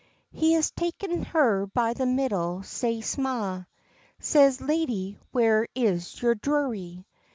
He has ta'en her by the middle sae sma', Says, "Lady, where is your drury?"